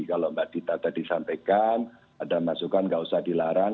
kalau mbak dita tadi sampaikan ada masukan nggak usah dilarang